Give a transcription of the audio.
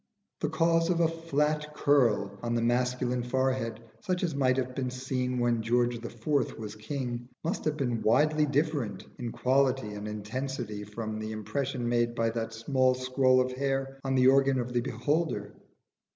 The cause of a flat curl on the masculine forehead, such as might be seen when George the Fourth was king, must have been widely different in quality and intensity from the impression made by that small scroll of hair on the organ of the beholder.